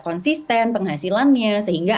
konsisten penghasilannya sehingga